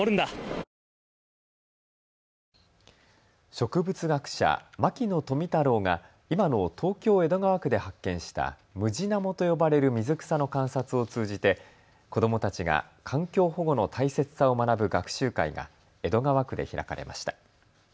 植物学者、牧野富太郎が今の東京江戸川区で発見したムジナモと呼ばれる水草の観察を通じて子どもたちが環境保護の大切さを学ぶ学習会が江戸川区で開かれました。